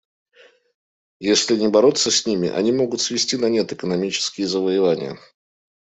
Если не бороться с ними, они могут свести на нет экономические завоевания.